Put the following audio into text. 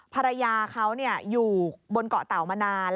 ภรรยาเขาอยู่บนเกาะเต่ามานาน